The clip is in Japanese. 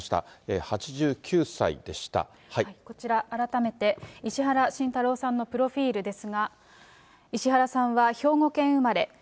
こちら改めて、石原慎太郎さんのプロフィールですが、石原さんは兵庫県生まれ。